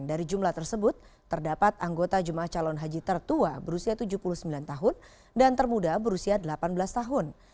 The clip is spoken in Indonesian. dari jumlah tersebut terdapat anggota jemaah calon haji tertua berusia tujuh puluh sembilan tahun dan termuda berusia delapan belas tahun